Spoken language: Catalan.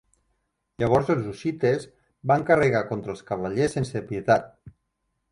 Llavors els Hussites van carregar contra els cavallers sense pietat.